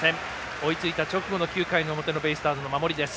追いついた直後の９回の表のベイスターズの守りです。